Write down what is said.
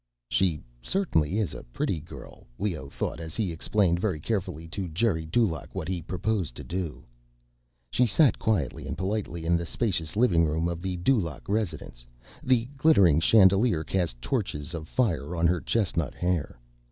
She certainly is a pretty girl, Leoh thought as he explained very carefully to Geri Dulaq what he proposed to do. She sat quietly and politely in the spacious living room of the Dulaq residence. The glittering chandelier cast touches of fire on her chestnut hair.